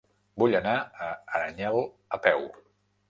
Vull anar a Aranyel a peu.